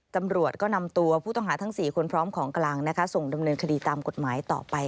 ตำรวจก็นำตัวผู้ต้องหาทั้ง๔คนพร้อมของกลางนะคะส่งดำเนินคดีตามกฎหมายต่อไป